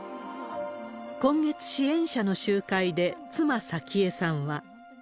今月、支援者の集会で妻、早紀江さんは。